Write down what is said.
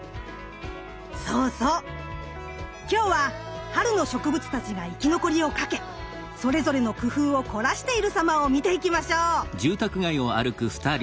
そうそう今日は春の植物たちが生き残りをかけそれぞれの工夫を凝らしているさまを見ていきましょう！